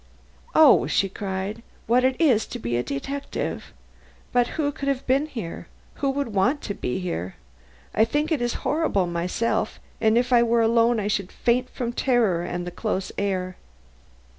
"Oh!" she cried, "what it is to be a detective! But who could have been here? Who would want to be here? I think it is horrible myself, and if I were alone I should faint from terror and the close air."